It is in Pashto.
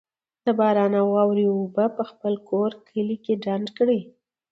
د باران او واورې اوبه په خپل کور، کلي کي ډنډ کړئ